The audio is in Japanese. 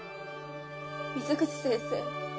水口先生